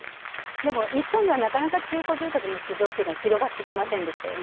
でも、日本ではなかなか中古住宅の市場というのは広がってきませんでしたよね。